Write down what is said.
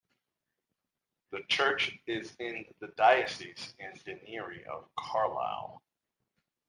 The church is in the diocese and deanery of Carlisle.